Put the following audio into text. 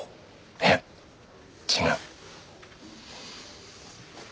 いや違う。